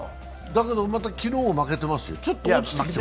だけどまた昨日、負けてますよ。